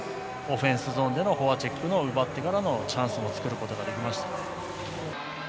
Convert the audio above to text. オフェンスゾーンでのフォアチェックを奪ってからのチャンスも作ることができました。